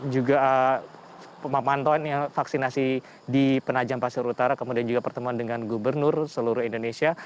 juga pemantauan vaksinasi di penajam pasir utara kemudian juga pertemuan dengan gubernur seluruh indonesia